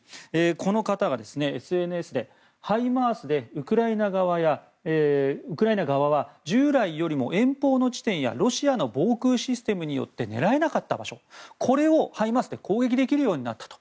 この方が、ＳＮＳでハイマースでウクライナ側は従来よりも遠方の地点やロシアの防空システムによって狙えなかった場所をハイマースで攻撃できるようになったと。